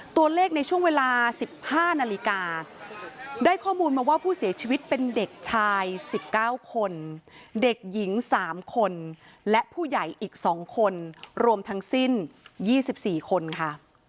ในช่วงเวลา๑๕นาฬิกาได้ข้อมูลมาว่าผู้เสียชีวิตเป็นเด็กชาย๑๙คนเด็กหญิง๓คนและผู้ใหญ่อีก๒คนรวมทั้งสิ้น๒๔คนค่ะ